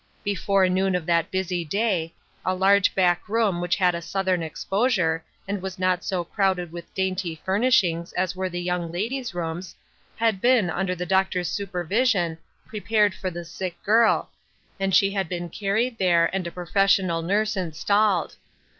Before noon of that busy day, a large back room which had a southern exposure, and was not so crowded with dainty furnishings as were the young ladies' rooms, had been, under the doctor's supervi sion, prepared for the sick girl, and she had been carried there, and a professional nurse installed.